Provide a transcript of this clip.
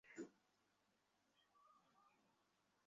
তবে তুমি ভয় পেয়ো না, আমি মরবো না।